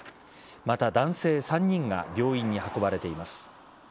また、男性３人が病院に運ばれています。